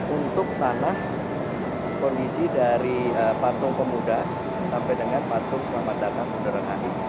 untuk tanah kondisi dari patung pemuda sampai dengan patung selamat datang bundaran hi